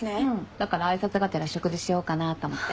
だから挨拶がてら食事しようかなと思って。